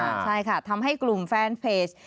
ใช่ค่ะทำให้กลุ่มแฟนเพจ